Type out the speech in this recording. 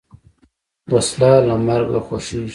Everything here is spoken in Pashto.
وسله له مرګه خوښیږي